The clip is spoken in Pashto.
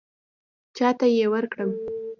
چاته یې ورکړم.